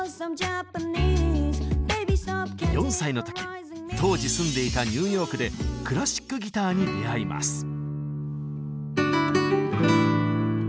４歳の時当時住んでいたニューヨークでクラシックギターに出会います。